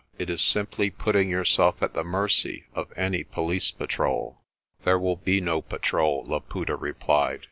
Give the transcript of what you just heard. It is simply putting your self at the mercy of any police patrol." "There will be no patrol," Laputa replied.